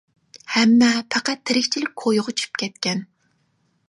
ھەممە پەقەت تىرىكچىلىك كويىغا چۈشۈپ كەتكەن.